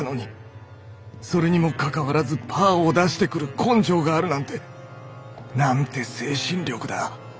それにもかかわらず「パー」を出してくる根性があるなんて！なんて精神力だ。